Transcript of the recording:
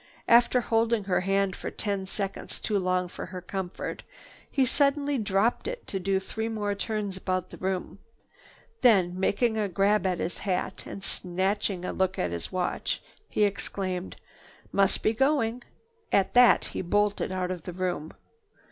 After holding her hand ten seconds too long for her comfort, he suddenly dropped it to do three more turns about the room. Then, making a grab at his hat, and snatching a look at his watch, he exclaimed: "Must be going!" At that he bolted out of the room.